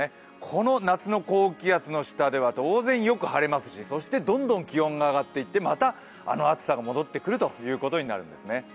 この夏の高気圧の下では当然よく晴れますしそしてどんどん気温が上がっていって、またあの暑さが戻ってくるということになるんですね。